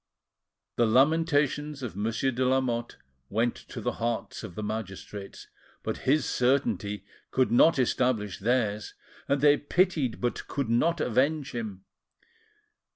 The lamentations of Monsieur de Lamotte went to the hearts of the magistrates, but his certainty could not establish theirs, and they pitied, but could not avenge him.